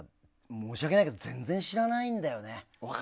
申し訳ないけど全然知らないんだよね。